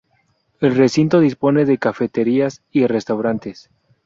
El recinto dispone de cafeterías y restaurantes.